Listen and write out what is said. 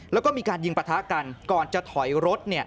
แล้วก็มีการยิงประทะกันก่อนจะถอยรถ